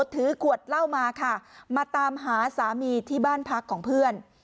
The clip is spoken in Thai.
ถือขวดเหล้ามาค่ะมาตามหาสามีที่บ้านพักของเพื่อน